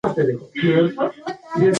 مشر وويل چي رښتینی مېړنی هغه دی چي حق ووايي.